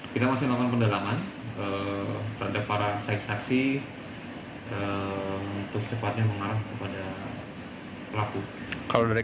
kita masih melakukan pendalaman terhadap para saksi saksi untuk secepatnya mengarah kepada pelaku